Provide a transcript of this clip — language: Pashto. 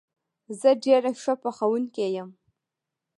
زه ډېره ښه پخوونکې یم